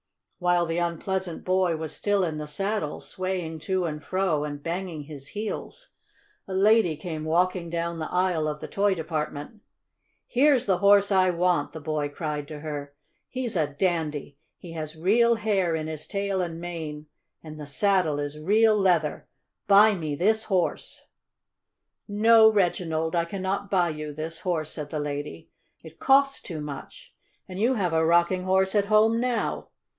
While the unpleasant boy was still in the saddle, swaying to and fro and banging his heels, a lady came walking down the aisle of the toy department. "Here's the Horse I want!" the boy cried to her. "He's a dandy! He has real hair in his tail and mane, and the saddle is real leather! Buy me this Horse!" "No, Reginald, I cannot buy you this Horse," said the lady. "It costs too much, and you have a rocking horse at home now."